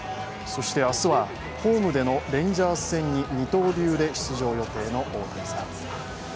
そして明日はホームでのレンジャーズ戦に二刀流で出場予定の大谷さん。